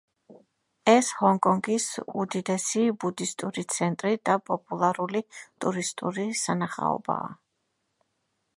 ეს ჰონგ-კონგის უდიდესი ბუდისტური ცენტრი და პოპულარული ტურისტული სანახაობაა.